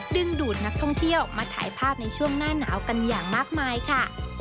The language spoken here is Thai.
ดึงดูดนักท่องเที่ยวมาถ่ายภาพในช่วงหน้าหนาวกันอย่างมากมายค่ะ